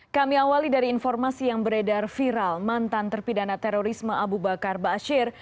kami awali dari informasi yang beredar viral mantan terpidana terorisme abu bakar bashir